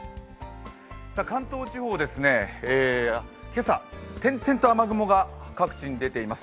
関東地方、今朝点々と雨雲が各地に出ています。